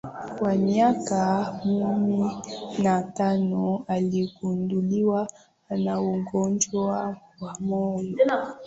Wa miaka kumi na tano aligunduliwa ana ugonjwa wa moyo